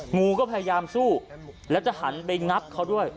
งูก็พยายามสู้แล้วจะหันไปงับเขาด้วย